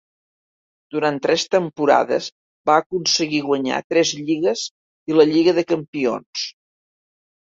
Durant tres temporades, va aconseguir guanyar tres lligues i la Lliga de Campions.